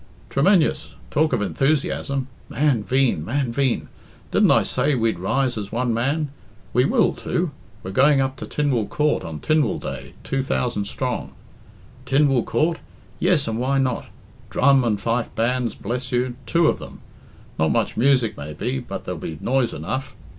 "Tremenjous! Talk of enthusiasm! Man veen, man veen! Didn't I say we'd rise as one man? We will, too. We're going up to Tynwald Coort on Tynwald day, two thousand strong. Tynwald Coort? Yes, and why not? Drum and fife bands, bless you two of them. Not much music, maybe, but there'll be noise enough.